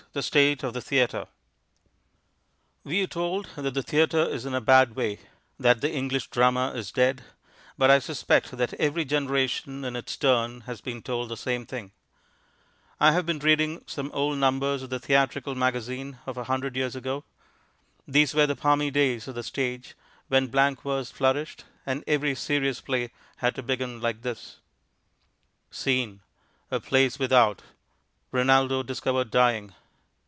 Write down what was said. The State of the Theatre We are told that the theatre is in a bad way, that the English Drama is dead, but I suspect that every generation in its turn has been told the same thing. I have been reading some old numbers of the Theatrical Magazine of a hundred years ago. These were the palmy days of the stage, when blank verse flourished, and every serious play had to begin like this: Scene. A place without. Rinaldo _discovered dying.